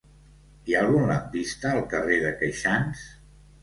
Hi ha algun lampista al carrer de Queixans?